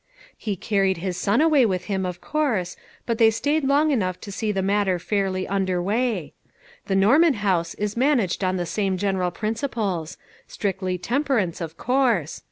He carried his son away with him, of 430 LITTLE FISHERS : AND THEIE NETS. course, but they stayed long enough to see that matter fairly under way. The Norman House is managed on the same general . prin ciples ; strictly temperance, of course.